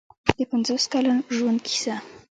د پنځوس کلن ژوند کیسه.